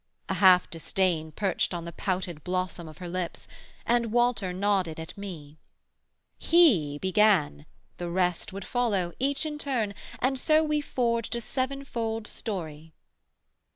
A half disdain Perched on the pouted blossom of her lips: And Walter nodded at me; 'He began, The rest would follow, each in turn; and so We forged a sevenfold story.